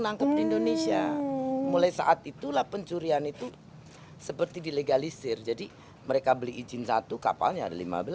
nangkep di indonesia mulai saat itulah pencurian itu seperti dilegalisir jadi mereka beli izin satu kapalnya ada lima belas